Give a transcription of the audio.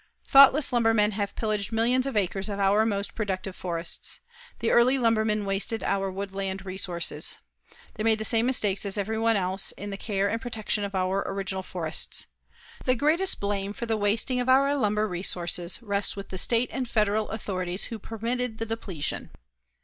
Thoughtless lumbermen have pillaged millions of acres of our most productive forests. The early lumbermen wasted our woodland resources. They made the same mistakes as everyone else in the care and protection of our original forests. The greatest blame for the wasting of our lumber resources rests with the State and Federal authorities who permitted the depletion.